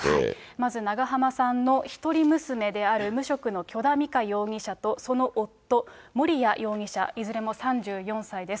まず長濱さんの一人娘である無職の許田美香容疑者と、その夫、盛哉容疑者、いずれも３４歳です。